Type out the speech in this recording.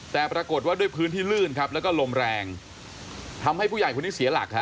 แต่ปรากฏว่าด้วยพื้นที่ลื่นครับแล้วก็ลมแรงทำให้ผู้ใหญ่คนนี้เสียหลักฮะ